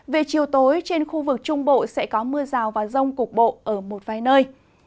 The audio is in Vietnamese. về chiều tối trên khu vực trung bộ sẽ có mưa rào và rông cục bộ ở một vài nơi